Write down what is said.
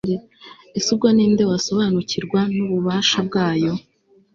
ese ubwo ni nde wasobanukirwa n'ububasha bwayo